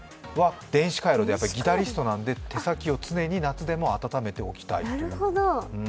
電子カイロでギタリストなんで、手先を常に夏でも温めておきたいと。